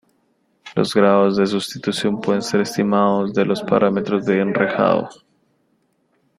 Los grados de sustitución pueden ser estimados de los parámetros de enrejado.